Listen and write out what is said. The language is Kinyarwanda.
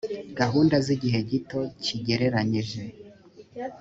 gahunda z’igihe gito kigereranyije